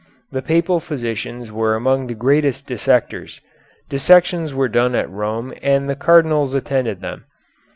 The Papal physicians were among the greatest dissectors. Dissections were done at Rome and the cardinals attended them.